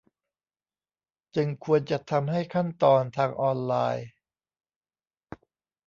จึงควรจะทำให้ขั้นตอนทางออนไลน์